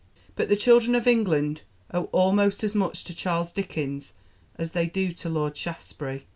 But the children of England owe almost as much to Charles Dickens as they do to Lord Shaftesbury.